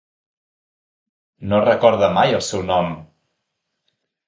No recorda mai el seu nom.